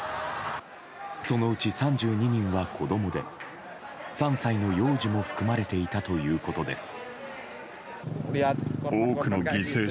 そのうち３２人は子供で３歳の幼児も含まれていたということです。